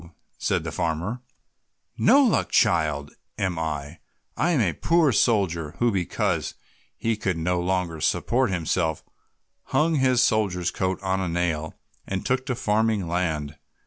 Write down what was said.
said the farmer, "no luck child am I. I am a poor soldier, who because he could no longer support himself hung his soldier's coat on a nail and took to farming land.